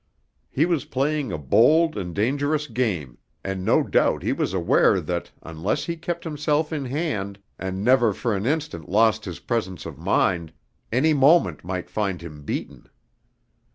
He was playing a bold and dangerous game, and no doubt he was aware that, unless he kept himself in hand, and never for an instant lost his presence of mind, any moment might find him beaten.